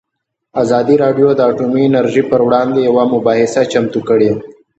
ازادي راډیو د اټومي انرژي پر وړاندې یوه مباحثه چمتو کړې.